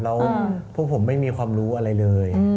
แล้วพวกผมไม่มีความรู้อะไรเลย